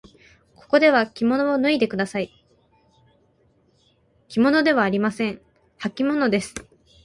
ここではきものを脱いでください。きものではありません。はきものです。